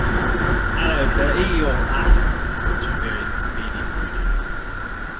"Hallo, Bertie, you old ass," was her very matey greeting.